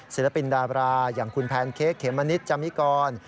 ศิลปินดาบราอย่างคุณแพนเค้กเขมมะนิดจามิกร